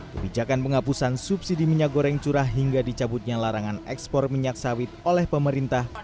kebijakan penghapusan subsidi minyak goreng curah hingga dicabutnya larangan ekspor minyak sawit oleh pemerintah